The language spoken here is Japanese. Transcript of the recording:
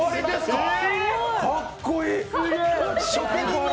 かっこいい。